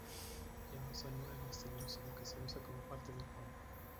Ya no se anula el exterior, sino que se usa como parte del fondo.